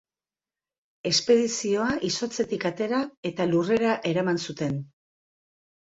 Espedizioa izotzetik atera eta lurrera eraman zuten.